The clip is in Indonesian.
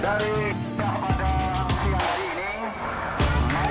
mari kita bagikan tampil tiga kali